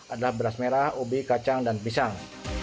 adalah beras merah ubi kacang dan pisang